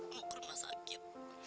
mau ke rumah sakit